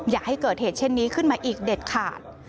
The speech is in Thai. อย่าให้เกิดเหตุเช่นนี้ขึ้นมาอีกเด็ดขาด